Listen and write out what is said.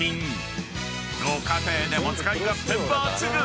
［ご家庭でも使い勝手抜群！］